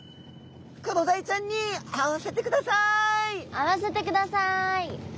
会わせてください。